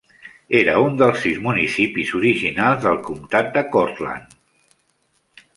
Era un dels sis municipis originals del comtat de Cortland.